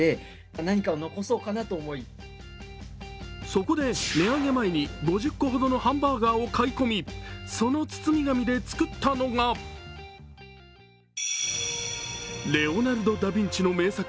そこで、値上げ前に５０個ほどのハンバーガーを買い込みその包み紙で作ったのがレオナルド・ダビンチの名作